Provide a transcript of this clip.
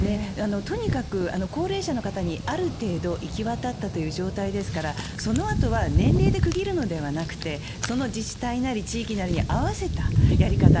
とにかく、高齢者の方にある程度行き渡ったという状態ですからそのあとは年齢で区切るのではなくてその自治体なり地域なりに合わせたやり方